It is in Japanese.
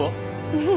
うん。